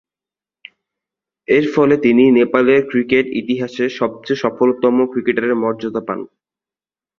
এরফলে তিনি নেপালের ক্রিকেট ইতিহাসে সবচেয়ে সফলতম ক্রিকেটারের মর্যাদা পান।